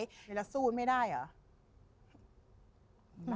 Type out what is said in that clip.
เวลาสู้มันไม่ได้อ่ะ